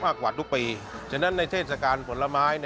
กว่าทุกปีฉะนั้นในเทศกาลผลไม้